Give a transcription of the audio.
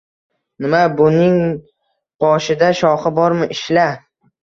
Nima, buningni boshida shoxi bormi, ishla.